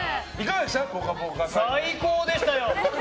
最高でしたよ。